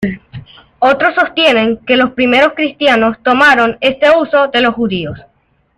Otros sostienen que los primeros cristianos tomaron este uso de los judíos.